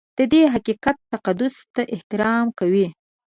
د دې حقیقت تقدس ته احترام کوي.